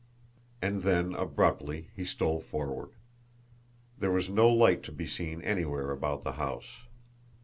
And then, abruptly, he stole forward. There was no light to be seen anywhere about the house.